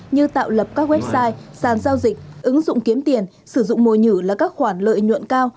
như tạo lập các website sàn giao dịch ứng dụng kiếm tiền sử dụng mồi nhử là các khoản lợi nhuận cao